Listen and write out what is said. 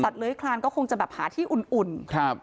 เลื้อยคลานก็คงจะแบบหาที่อุ่นอุ่นครับ